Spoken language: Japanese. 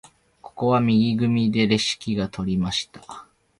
ここは右組でレシキが取りました。